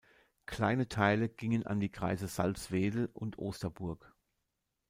Kleine Teile gingen an die Kreise Salzwedel und Osterburg.